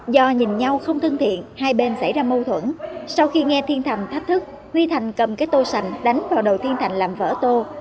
do nhìn nhau không thân thiện hai bên xảy ra mâu thuẫn sau khi nghe thiên thầm thách thức huy thành cầm cái tô sành đánh vào đầu tiên thành làm vỡ tô